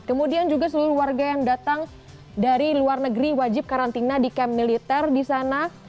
kemudian juga seluruh warga yang datang dari luar negeri wajib karantina di camp militer di sana